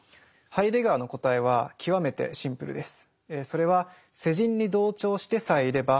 ハイデガーの答えは極めてシンプルです。